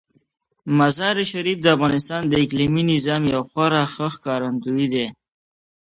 مزارشریف د افغانستان د اقلیمي نظام یو خورا ښه ښکارندوی دی.